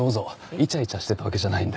イチャイチャしてたわけじゃないんで。